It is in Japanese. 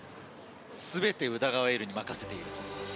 すべて宇田川瑛瑠に任せている。